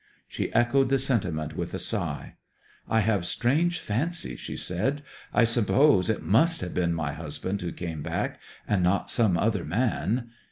She echoed the sentiment with a sigh. 'I have strange fancies,' she said. 'I suppose it must have been my husband who came back, and not some other man.'